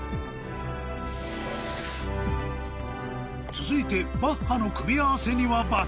続いてバッハの組み合わせには「×」